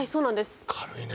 軽いね。